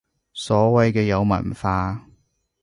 所謂嘅有文化